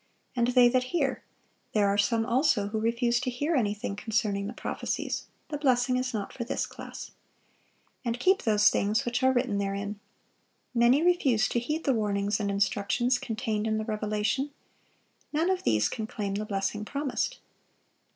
"And they that hear"—there are some, also, who refuse to hear anything concerning the prophecies; the blessing is not for this class. "And keep those things which are written therein"—many refuse to heed the warnings and instructions contained in the Revelation; none of these can claim the blessing promised.